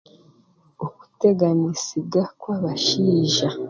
Okuteganiisibwa kw'abashaija.